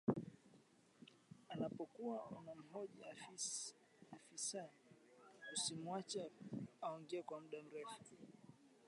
unapokuwa unamhoji afisa usimuache akaongea kwa muda mrefu